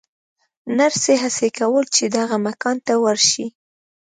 نرسې هڅولې چې دغه مکان ته ورشي.